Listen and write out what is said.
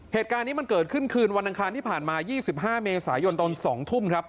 เหตุการณ์นี้มันเกิดขึ้นคืนวันอังคารที่ผ่านมา๒๕เมษายนตอน๒ทุ่มครับ